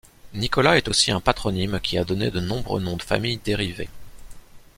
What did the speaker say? Nicolas est aussi un patronyme qui a donné de nombreux noms de famille dérivés.